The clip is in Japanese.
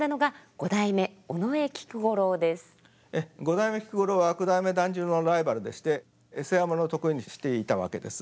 五代目菊五郎は九代目團十郎のライバルでして世話物を得意にしていたわけです。